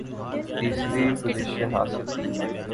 تیسری پوزیشن حاصل کی